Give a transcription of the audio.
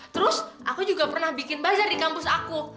terus aku juga pernah bikin bazar di kampus aku